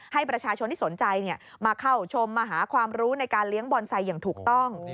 ให้ประชาชนที่สนใจมาเข้าชมมาหาความรู้ในการเลี้ยงบอนไซค์อย่างถูกต้อง